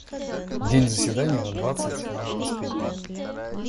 В день заседаний на двадцать надо поспеть нам.